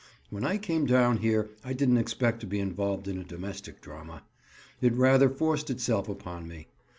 When I came down here I didn't expect to be involved in a domestic drama. It rather forced itself upon me.